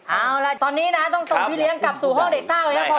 เอาล่ะตอนนี้นะต้องส่งพี่เลี้ยงกลับสู่ห้องเด็กสร้างไว้ให้ก่อน